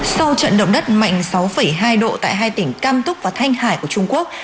sau trận động đất mạnh sáu hai độ tại hai tỉnh cam túc và thanh hải của trung quốc